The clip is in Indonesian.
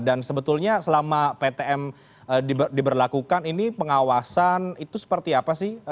dan sebetulnya selama ptm diberlakukan ini pengawasan itu seperti apa sih